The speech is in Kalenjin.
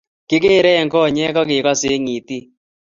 Kigeere eng konyek akegase eng itik